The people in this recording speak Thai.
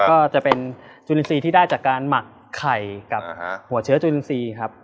ก็จะเป็นจุลินทรีย์ที่ได้จากการหมักไข่กับหัวเชื้อจุลินทรีย์ครับ